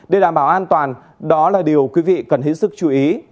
để đảm bảo an toàn đó là điều quý vị cần hết sức chú ý